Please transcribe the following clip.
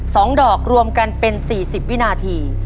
สองดอกรวมกันเป็น๔๐วินาที